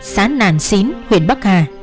xã nàn xín huyện bắc hà